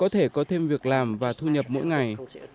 thêm việc làm và thu nhập mỗi ngày